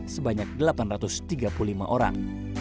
sebanyak delapan ratus tiga puluh lima orang